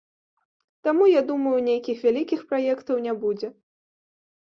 Таму, я думаю, нейкіх вялікіх праектаў не будзе.